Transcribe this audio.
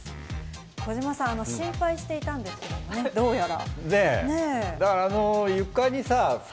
児嶋さん、心配していたんですがどうやら。